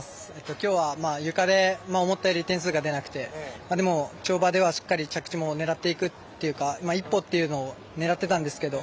今日は、ゆかで思ったより点数が出なくてでも跳馬ではしっかり着地も狙っていくというか１歩というのを狙っていたんですけど